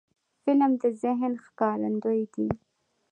فلم د ذهن ښکارندوی دی